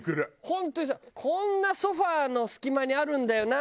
本当にさこんなソファの隙間にあるんだよな。